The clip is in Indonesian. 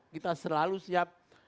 kita selalu siap